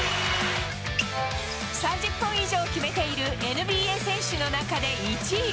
３０本以上決めているＮＢＡ選手の中で１位。